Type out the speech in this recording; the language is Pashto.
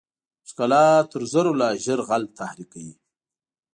ښکلا تر زرو لا ژر غل تحریکوي.